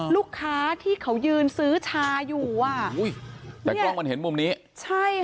ลูกค้าที่เขายืนซื้อชาอยู่อ่ะอุ้ยแต่กล้องมันเห็นมุมนี้ใช่ค่ะ